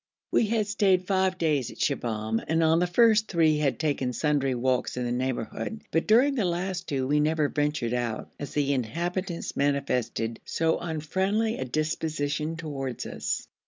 We had stayed five days in Shibahm, and on the first three had taken sundry walks in the neighbourhood, but during the last two we never ventured out, as the inhabitants manifested so unfriendly a disposition towards us.